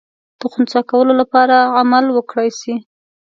د خنثی کولو لپاره عمل وکړای سي.